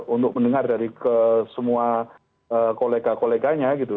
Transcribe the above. untuk mendengar dari semua kolega koleganya gitu